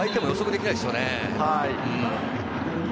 相手も予測できないですよね。